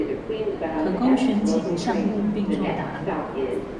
可勾選幾個項目並作答